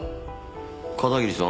片桐さん